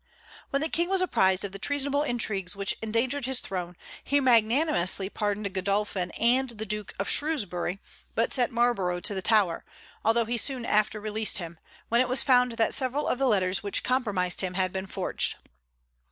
When the King was apprised of the treasonable intrigues which endangered his throne, he magnanimously pardoned Godolphin and the Duke of Shrewsbury, but sent Marlborough to the Tower, although he soon after released him, when it was found that several of the letters which compromised him had been forged.